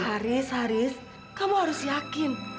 haris haris kamu harus yakin